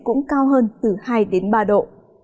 cũng cao hơn từ hai đến ba độ